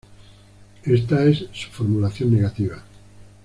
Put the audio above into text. Esta es su formulación negativa.